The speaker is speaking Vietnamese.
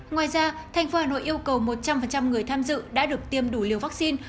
ngoài ra tp hà nội yêu cầu một trăm linh người tham dự đã được tiêm đủ liều vaccine